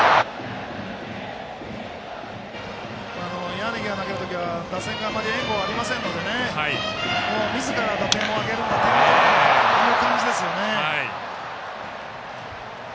柳が投げる時は打線があまり援護がありませんのでみずから、打点を挙げるんだ点を取るんだという感じですね。